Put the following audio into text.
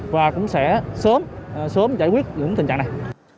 và cũng sẽ sớm sớm giải quyết những tình trạng này